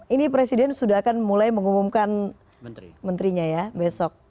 ini presiden sudah akan mulai mengumumkan menterinya ya besok